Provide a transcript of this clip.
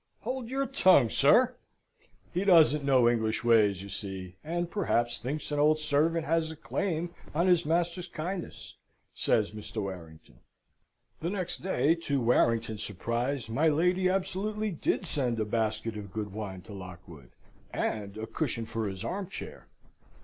"Hold your tongue, sir! He doesn't know English ways, you see, and perhaps thinks an old servant has a claim on his master's kindness," says Mr. Warrington. The next day, to Warrington's surprise, my lady absolutely did send a basket of good wine to Lockwood, and a cushion for his armchair.